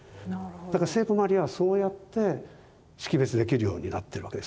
だから聖母マリアはそうやって識別できるようになってるわけですよね。